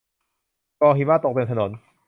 กองหิมะ ตกเต็มถนน